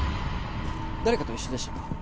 誰かと一緒でしたか？